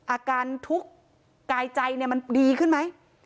อาการทุกข์กายใจมันดีขึ้นไหม